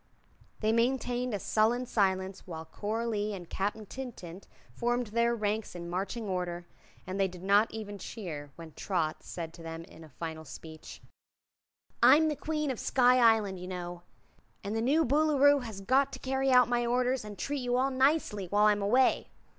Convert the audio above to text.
They maintained a sullen silence while Coralie and Captain Tintint formed their ranks in marching order, and they did not even cheer when Trot said to them in a final speech: "I'm the Queen of Sky Island, you know, and the new Boolooroo has got to carry out my orders and treat you all nicely while I'm away.